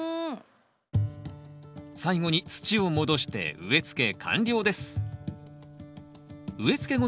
最後に土を戻して植えつけ完了です